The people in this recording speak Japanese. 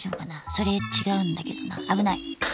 それ違うんだけどな危ない。